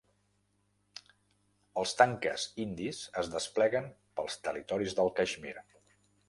Els tanques indis es despleguen pels territoris del Caixmir